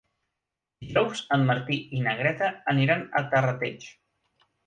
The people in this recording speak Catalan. Dijous en Martí i na Greta aniran a Terrateig.